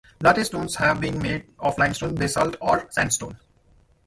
Latte stones have been made of limestone, basalt, or sandstone.